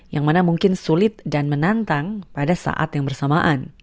yang mana mungkin sulit dan menantang pada saat yang bersamaan